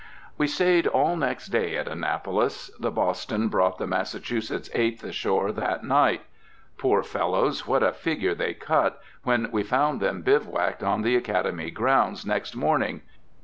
We stayed all next day at Annapolis. The Boston brought the Massachusetts Eighth ashore that night. Poor fellows! what a figure they cut, when we found them bivouacked on the Academy grounds next morning!